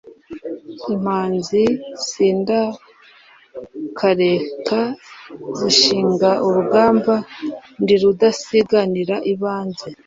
Impanzi sindakareka zishinga urugamba ndi rudasiganira ibanze,